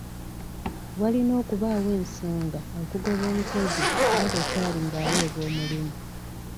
Walina okubaawo ensonga okugoba omukozi nga bwe kyali nga aweebwa omulimu.